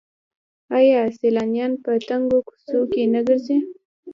آیا سیلانیان په تنګو کوڅو کې نه ګرځي؟